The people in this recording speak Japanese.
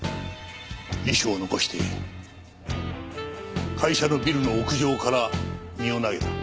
遺書を残して会社のビルの屋上から身を投げた。